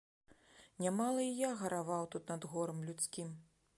Нямала і я гараваў тут над горам людскім.